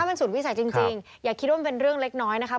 ถ้ามันศูนย์วิสัยจริงอย่าคิดว่าเป็นเรื่องเล็กน้อยนะครับ